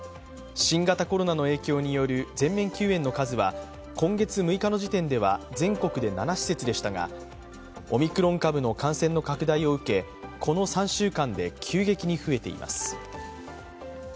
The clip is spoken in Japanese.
新型コロナの影響による全面休園の数は今月６日の時点では全国で７施設でしたがオミクロン株の感染の拡大を受け、この３週間で急激に増えています。